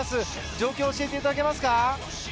状況を教えていただけますか。